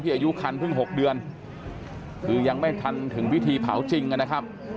อายุคันเพิ่ง๖เดือนคือยังไม่ทันถึงพิธีเผาจริงนะครับ